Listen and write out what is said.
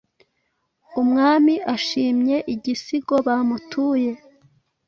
umwami ashimye igisigo bamutuye.